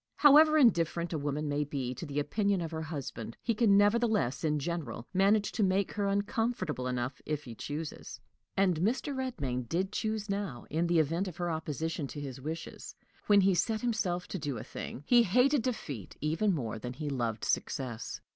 However indifferent a woman may be to the opinion of her husband, he can nevertheless in general manage to make her uncomfortable enough if he chooses; and Mr. Redmain did choose now, in the event of her opposition to his wishes: when he set himself to do a thing, he hated defeat even more than he loved success.